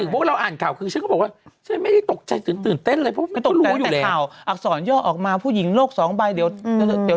บอกว่าเราอ่านข่าวคือ